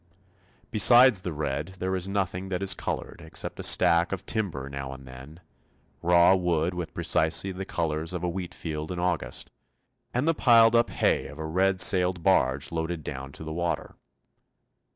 Besides the red, there is nothing that is coloured except a stack of timber now and then raw wood with precisely the colours of a wheatfield in August and the piled up hay of a red sailed barge loaded down to the water.